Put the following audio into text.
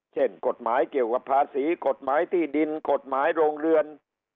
เช่นกฎหมายเกี่ยวกับภาษีกฎหมายที่ดินกฎหมายโรงเรือน